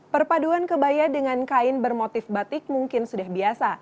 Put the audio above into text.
perpaduan kebaya dengan kain bermotif batik mungkin sudah biasa